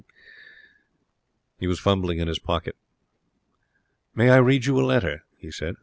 You ' He was fumbling in his pocket. 'May I read you a letter?' he said.